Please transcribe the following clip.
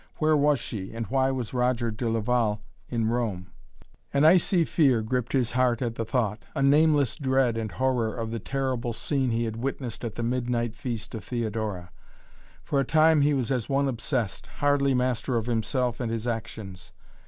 Where was she and why was Roger de Laval in Rome? An icy fear gripped his heart at the thought; a nameless dread and horror of the terrible scene he had witnessed at the midnight feast of Theodora. For a time he was as one obsessed, hardly master of himself and his actions.